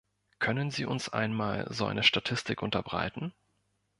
Können Sie uns einmal so eine Statistik unterbreiten?